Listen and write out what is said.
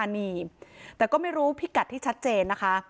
นี่แต่ก็ไม่รู้พิกัดที่ชัดเจนนะคะ